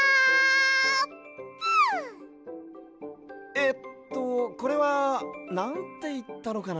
えっとこれはなんていったのかな？